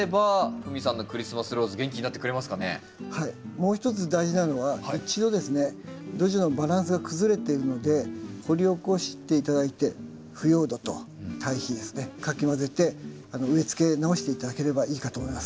もう一つ大事なのは一度ですね土壌のバランスが崩れてるので掘り起こして頂いて腐葉土と堆肥ですねかき混ぜて植えつけ直して頂ければいいかと思います。